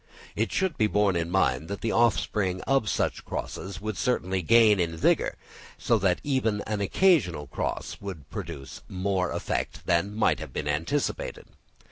It should be borne in mind that the offspring of such crosses would certainly gain in vigour; so that even an occasional cross would produce more effect than might have been anticipated.